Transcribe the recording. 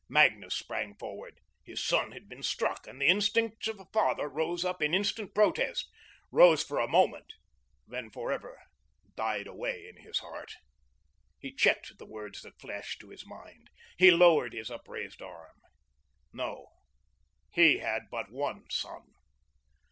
Magnus sprang forward. His son had been struck, and the instincts of a father rose up in instant protest; rose for a moment, then forever died away in his heart. He checked the words that flashed to his mind. He lowered his upraised arm. No, he had but one son.